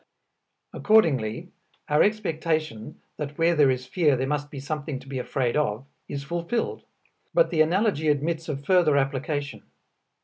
Accordingly our expectation that where there is fear there must be something to be afraid of, is fulfilled. But the analogy admits of further application.